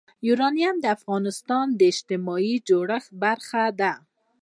یورانیم د افغانستان د اجتماعي جوړښت برخه ده.